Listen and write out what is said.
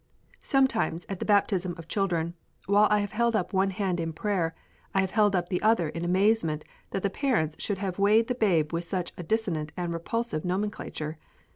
] Sometimes at the baptism of children, while I have held up one hand in prayer, I have held up the other in amazement that the parents should have weighted the babe with such a dissonant and repulsive nomenclature.